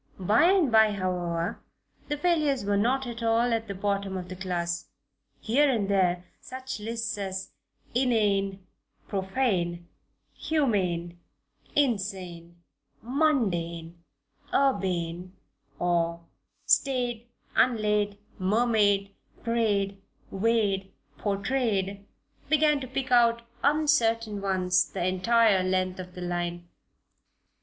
By and by, however, the failures were not all at the bottom of the class; here and there such lists as "inane, profane, humane, insane, mundane, urbane," or, "staid, unlaid, mermaid, prayed, weighed, portrayed" began to pick out uncertain ones the entire length of the line.